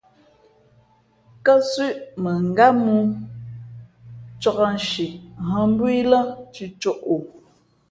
Kάsʉ̄ʼ mαngát mōō, cāk nshi hᾱ mbū î lά cʉ̌côʼ.